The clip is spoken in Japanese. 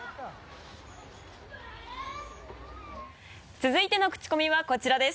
続いてのクチコミはこちらです。